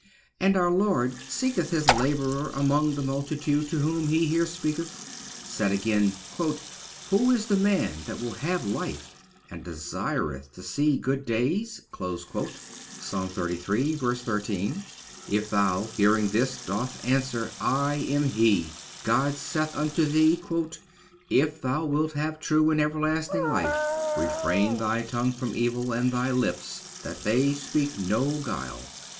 And our Lord seeking His labourer among the multitude to whom He here speaketh, saith again: "Who is the man that will have life, and desireth to see good days?"66Ps. xxxiii. 13 If thou, hearing this, dost answer: "I am he": God saith unto thee: "If thou wilt have true and everlasting life, refrain thy tongue from evil, and thy lips, that they speak no guile.